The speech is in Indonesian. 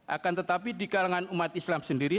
akan tetapi di kalangan umat islam sendiri